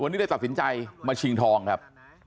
วันนี้เลยตัดสินใจมาชิงทองครับ